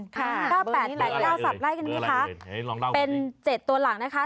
๓๙๘๙สับได้กันนี้ครับเป็น๗ตัวหลังนะคะ๓๙๘๘